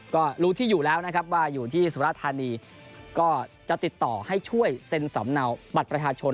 ก็รู้ที่อยู่แล้วนะครับว่าอยู่ที่สุราธานีก็จะติดต่อให้ช่วยเซ็นสำเนาบัตรประชาชน